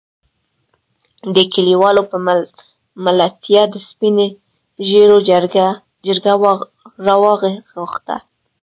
دې کليوالو په ملتيا د سپين ږېرو جرګه راوغښته.